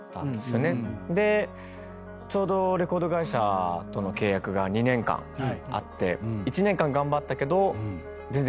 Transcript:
ちょうどレコード会社との契約が２年間あって１年間頑張ったけど。